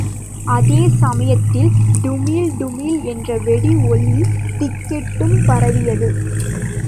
அதே சமயத்தில்.... டுமீல், டுமீல் என்ற வெடி ஒலி திக்கெட்டும் பரவியது!